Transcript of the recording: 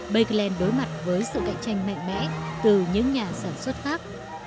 bakel đối mặt với sự cạnh tranh mạnh mẽ từ những nhà sản xuất khác